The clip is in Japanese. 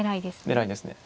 狙いですね。